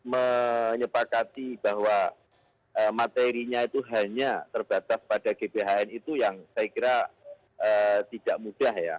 menyepakati bahwa materinya itu hanya terbatas pada gbhn itu yang saya kira tidak mudah ya